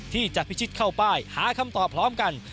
ที่จะพิชิตเข้าป้ายหาคำตอบพร้อมกัน